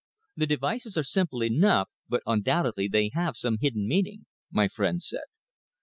"The devices are simple enough, but undoubtedly they have some hidden meaning," my friend said.